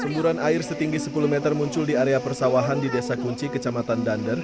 semburan air setinggi sepuluh meter muncul di area persawahan di desa kunci kecamatan dander